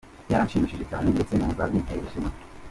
Byaranshimishije cyane, ndetse numva binteye ishema.